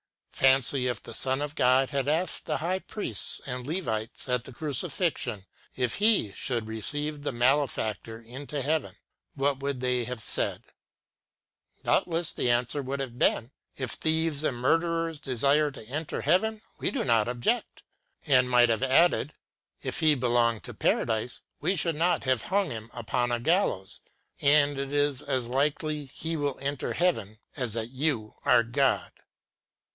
Fancy if the Son of God had asked the high priests and Levites at the crucifixion if He should receive the malefactor into Heaven, what would they have said ? Doubtless the answer would have been : "If thieves and murderers desire to enter Heaven we do not object," and might have added, " If he belong to Paradise we should not have hung him upon a gallows, and it is as likely he will enver Heaven as that you are God."